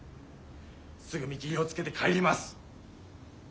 すぐ見切りをつけて帰ります。